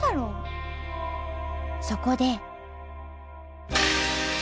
そこで。